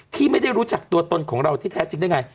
ที่ไม่ได้รู้จักตัวตนของเราที่แท้จริงได้ไง